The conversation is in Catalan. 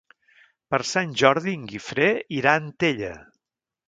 Per Sant Jordi en Guifré irà a Antella.